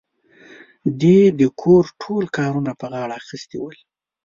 دې د کور ټول کارونه په غاړه اخيستي ول.